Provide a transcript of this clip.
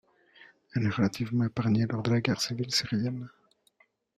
Elle est relativement épargnée lors de la guerre civile syrienne.